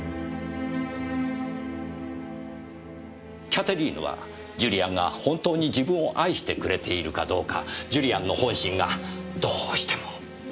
キャテリーヌはジュリアンが本当に自分を愛してくれているかどうかジュリアンの本心がどうしても気になりました。